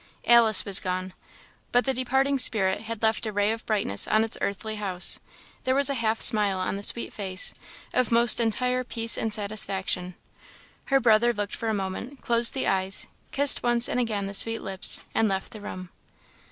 Alice was gone; but the departing spirit had left a ray of brightness on its earthly house; there was a half smile on the sweet face, of most entire peace and satisfaction. Her brother looked for a moment closed the eyes kissed once and again the sweet lips and left the room.